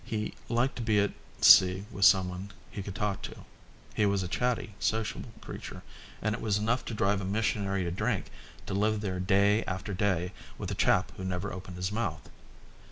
He liked to be at sea with someone he could talk to, he was a chatty, sociable creature, and it was enough to drive a missionary to drink to live there day after day with a chap who never opened his mouth.